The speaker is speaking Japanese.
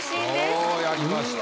おおやりました。